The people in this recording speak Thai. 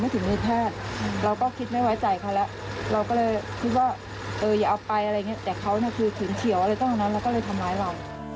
แต่เขาถึงเฉียวอะไรต้องเราก็เลยทำไมล่ะ